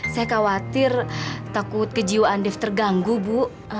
saya khawatir takut kejiwaan dev terganggu bu